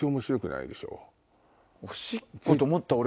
おしっこと思った。